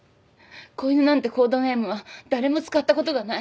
子犬なんてコードネームは誰も使ったことがない。